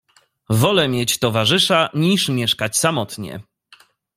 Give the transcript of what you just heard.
"Wole mieć towarzysza niż mieszkać samotnie."